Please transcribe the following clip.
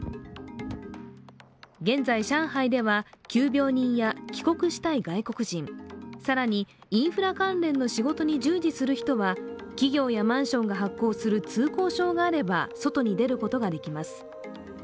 現在、上海では急病人や帰国したい外国人、更にインフラ関連の仕事に従事する人は企業やマンションが発行する通行証があれば外に出ることができます。